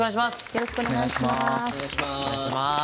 よろしくお願いします。